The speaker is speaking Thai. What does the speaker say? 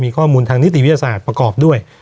มีข้อมูลทางนิติวิทยาศาสตร์ประกอบด้วย